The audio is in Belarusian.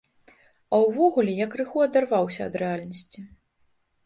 А ўвогуле я крыху адарваўся ад рэальнасці.